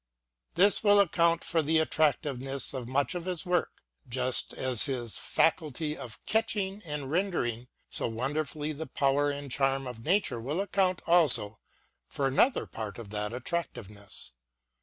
This will account for the attractiveness of much of his work, just as his faculty of catching and rendering so wonderfully the power and charm of Nature will account also for another part of that attractiveness.